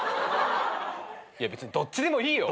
いや別にどっちでもいいよ。